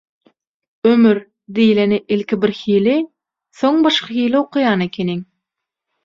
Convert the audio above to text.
«Ömür» diýleni ilki birhili, soň başga hili okaýan ekeniň.